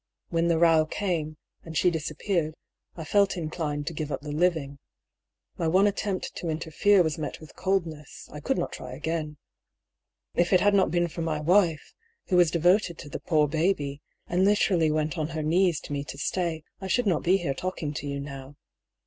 When the row came, and she dis appeared, I felt inclined to give up the living. My one attempt to interfere was met with coldness; I could not try again. If it had not been for my wife, who was devoted to the poor baby, and literally went on her knees to me to stay, I should not be here talking to you now.